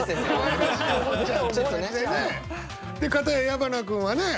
片や矢花君はね